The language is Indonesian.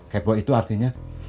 kepo itu artinya